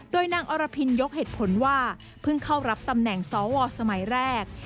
โดยนางอรพินยกเหตุผลว่าเพิ่งเข้ารับตำแหน่งสวสมัยแรก